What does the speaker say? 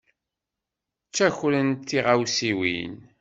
Ttakrent tiɣawsiwin.